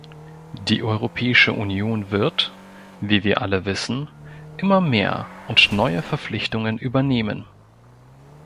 Die Europäische Union wird, wie wir alle wissen, immer mehr und neue Verpflichtungen übernehmen.